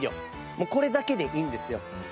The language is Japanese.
もうこれだけでいいんですよ。